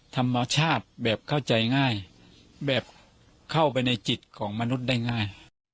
ธรรมชาติแบบเข้าใจง่ายแบบเข้าไปในจิตของมนุษย์ได้ง่าย